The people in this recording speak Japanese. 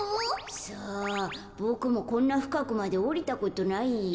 さあボクもこんなふかくまでおりたことないよ。